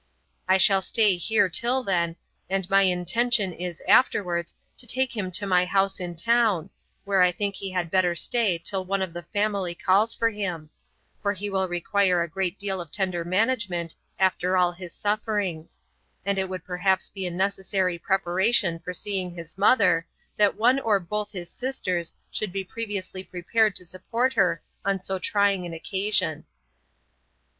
I shall stay here till then, and my intention is afterwards to take him to my house in town, where I think he had better stay till one of the family calls for him: for he will require a great deal of tender management after all his sufferings; and it would perhaps be a necessary preparation for seeing his mother, that one or both his sisters should be previously prepared to support her on so trying an occasion.'